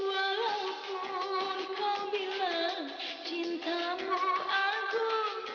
walaupun kau bilang cintamu agung